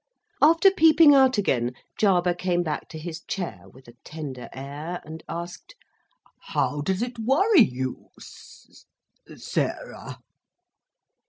After peeping out again, Jarber came back to his chair with a tender air, and asked: "How does it worry you, S arah?"